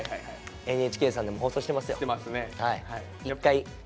ＮＨＫさんでも放送してますよ。